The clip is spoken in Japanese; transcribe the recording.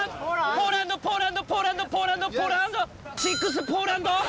ポーランドポーランドポーランドポーランドポーランドポーランド？